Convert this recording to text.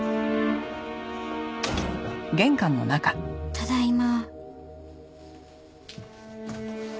ただいま。